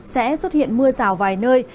sẽ xuất hiện mưa rào vài nơi